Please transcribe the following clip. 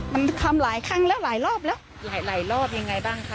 มันทำหลายครั้งแล้วหลายรอบแล้วหลายหลายรอบยังไงบ้างคะ